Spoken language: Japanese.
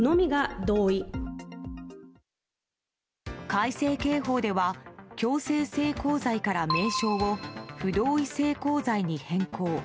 改正刑法では強制性交罪から名称を不同意性交罪に変更。